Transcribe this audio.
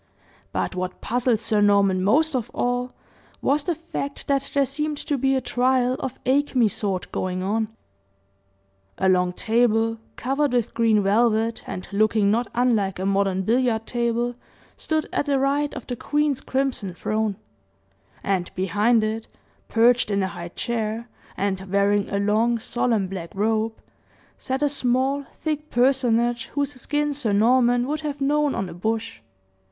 But what puzzled Sir Norman most of all was, the fact that there seemed to be a trial of acme sort going on. A long table, covered with green velvet, and looking not unlike a modern billiard table, stood at the right of the queen's crimson throne; and behind it, perched in a high chair, and wearing a long, solemn, black robe, sat a small, thick personage, whose skin Sir Norman would have known on a bush.